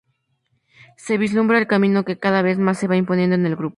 Se vislumbra el camino que cada vez más se va imponiendo en el grupo.